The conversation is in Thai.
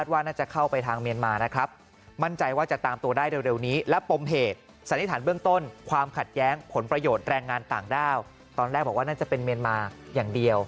ว่าน่าจะเป็นเมนมาอย่างเดียว